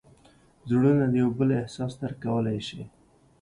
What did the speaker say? زړونه د یو بل احساس درک کولی شي.